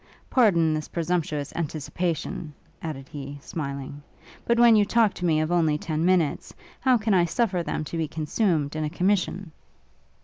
Pardon this presumptuous anticipation!' added he, smiling; 'but when you talk to me of only ten minutes, how can I suffer them to be consumed in a commission?'